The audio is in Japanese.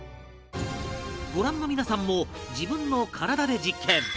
ご覧の皆さんも自分の体で実験